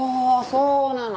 そうなの！